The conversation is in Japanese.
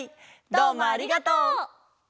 どうもありがとう！